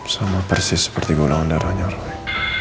sama persis seperti golongan darahnya lain